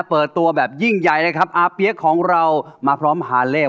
เปิดตัวแบบยิ่งใหญ่เลยครับอาเปี๊ยกของเรามาพร้อมหาเลข